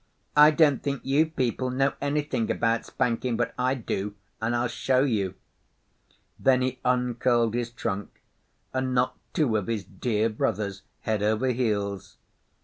'I don't think you peoples know anything about spanking; but I do, and I'll show you.' Then he uncurled his trunk and knocked two of his dear brothers head over heels.